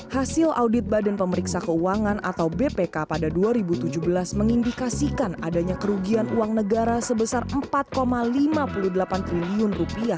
hasil audit badan pemeriksa keuangan atau bpk pada dua ribu tujuh belas mengindikasikan adanya kerugian uang negara sebesar rp empat lima puluh delapan triliun